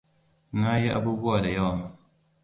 Na yi abubuwa da yawa.